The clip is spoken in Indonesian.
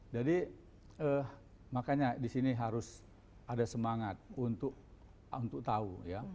jadi makanya di sini harus ada semangat untuk tahu